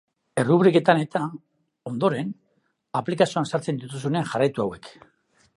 Errubriketan eta, ondoren, aplikazioan sartzen dituzuenean jarraitu hauek.